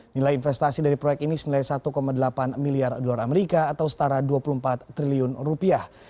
nilai investasi dari proyek ini senilai satu delapan miliar dolar amerika atau setara dua puluh empat triliun rupiah